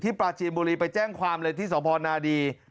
ปลาจีนบุรีไปแจ้งความเลยที่สพนาดี